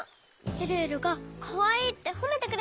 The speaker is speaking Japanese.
えるえるがかわいいってほめてくれたのよ。